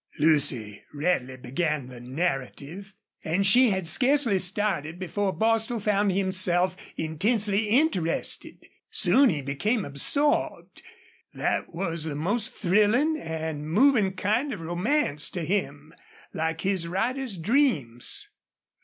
Lucy readily began the narrative, and she had scarcely started before Bostil found himself intensely interested. Soon he became absorbed. That was the most thrilling and moving kind of romance to him, like his rider's dreams.